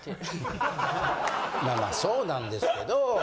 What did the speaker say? まあまあそうなんですけど。